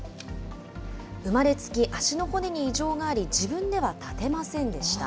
生まれつき足の骨に異常があり、自分では立てませんでした。